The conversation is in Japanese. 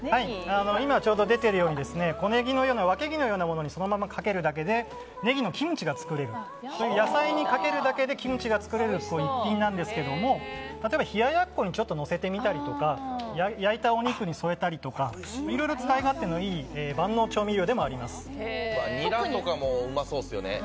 今ちょうど出ているように小ネギのようなワケギのようなものにそのままかけるだけでネギのキムチが作れるという野菜にかけるだけでキムチが作れる逸品なんですけれども冷ややっこにちょっとのせてみたりとか焼いたお肉に添えたりとかいろいろ使い勝手のいい万能調味料でもあります。